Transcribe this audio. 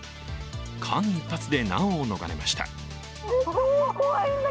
間一髪で難を逃れました。